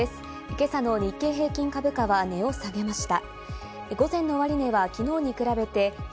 今朝の日経平均株価は値を下げました。